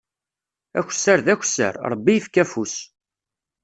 Akessar d akessar, Ṛebbi ifka afus.